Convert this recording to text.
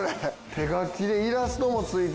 手書きでイラストも付いて。